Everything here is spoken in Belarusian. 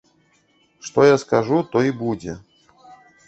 Што я скажу, то і будзе.